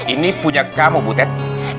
ini punya kamu butet